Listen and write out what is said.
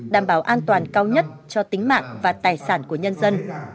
đảm bảo an toàn cao nhất cho tính mạng và tài sản của nhân dân